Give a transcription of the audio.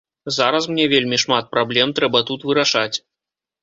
Зараз мне вельмі шмат праблем трэба тут вырашаць.